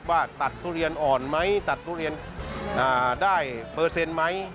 ว่าตัดทุเรียนอ่อนไหมตัดทุเรียนได้เปอร์เซ็นต์ไหม